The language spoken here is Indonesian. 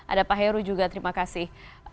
ada pak heru juga terima kasih